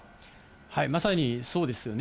まさにそうですよね。